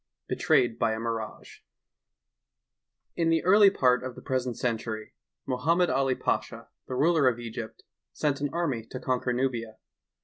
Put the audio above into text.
'' BETRAYED BY A MIRAGE N the early part of the present een tury, Mohammed AH Pasha, the ruler of Egypt, sent an army to eonquer Nubia.